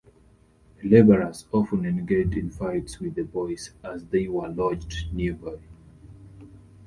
The labourers often engaged in fights with the boys, as they were lodged nearby.